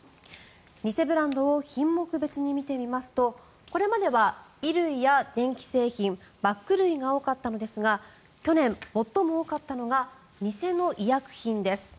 偽ブランドを品目別に見てみますとこれまでは衣類や電気製品バッグ類が多かったのですが去年、最も多かったのが偽の医薬品です。